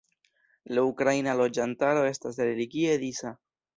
La ukraina loĝantaro estas religie disa.